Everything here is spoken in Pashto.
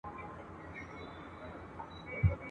بیا به موسم سي د سروغوټیو !.